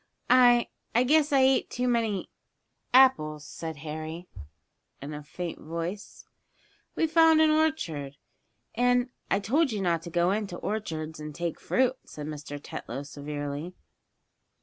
"I I guess I ate too many apples," said Harry, in a faint voice. "We found an orchard, and " "I told you not to go into orchards, and take fruit," said Mr. Tetlow, severely.